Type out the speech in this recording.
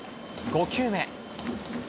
５球目。